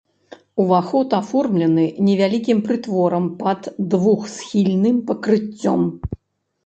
Уваход аформлены невялікім прытворам пад двухсхільным пакрыццём.